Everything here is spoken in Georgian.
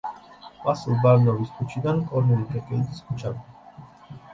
ვასილ ბარნოვის ქუჩიდან კორნელი კეკელიძის ქუჩამდე.